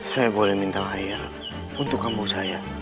saya boleh minta air untuk kampung saya